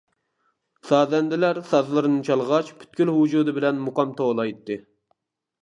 سازەندىلەر سازلىرىنى چالغاچ پۈتكۈل ۋۇجۇدى بىلەن مۇقام توۋلايتتى.